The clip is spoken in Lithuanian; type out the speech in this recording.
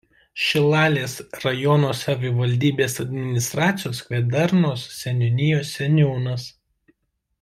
Šilalės rajono savivaldybės administracijos Kvėdarnos seniūnijos seniūnas.